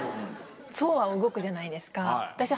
そうは動くじゃないですか私は。